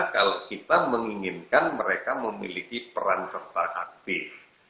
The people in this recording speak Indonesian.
kalau kita menginginkan mereka memiliki peran serta aktif